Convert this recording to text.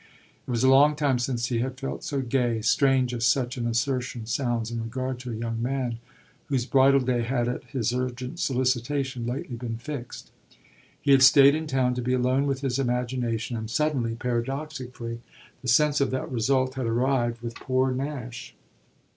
It was a long time since he had felt so gay, strange as such an assertion sounds in regard to a young man whose bridal day had at his urgent solicitation lately been fixed. He had stayed in town to be alone with his imagination, and suddenly, paradoxically, the sense of that result had arrived with poor Nash.